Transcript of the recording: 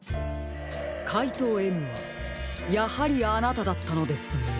かいとうＭはやはりあなただったのですね。